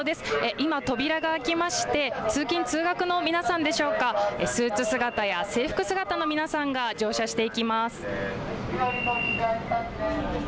今、扉が開きまして通勤通学の皆さんでしょうか、スーツ姿や制服姿の皆さんが乗車していきます。